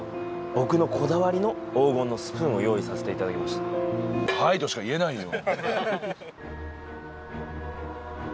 僕のこだわりの黄金のスプーンを用意させていただきました「はい」としか言えないよ